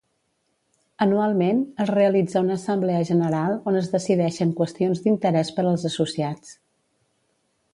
Anualment es realitza una Assemblea General on es decideixen qüestions d'interès per als associats.